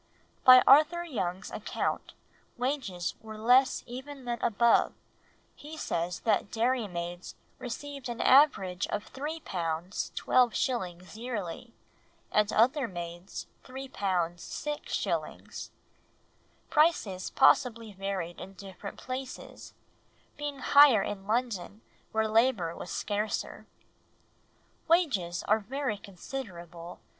By Arthur Young's account wages were less even than above, he says that dairymaids received an average of £3, 12s. yearly, and other maids £3, 6s. Prices possibly varied in different places, being higher in London where labour was scarcer. "Wages are very considerable